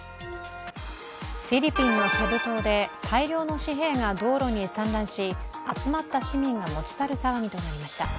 フィリピンのセブ島で大量の紙幣が道路に散乱し集まった市民が持ち去る騒ぎとなりました。